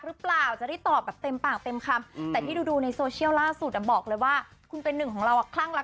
เผื่อหลักแล้วจะแปบเต็มคำแต่ดูอย่าดูในโซเชียลล่าสุดอาบบอกคุณเป็นหนึ่งของเรา